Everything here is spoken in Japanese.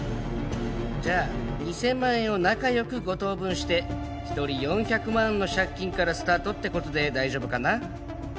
じゃあ２０００万円を仲良く５等分して一人４００万の借金からスタートって事で大丈夫かな？